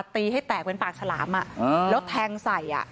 ตีให้แตกเป็นปากฉลามแล้วแทงใส่